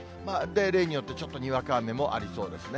れいによってちょっとにわか雨もありそうですね。